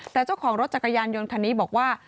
แต่เจ้าของรถจักรยานยนต์คันนี้บอกว่า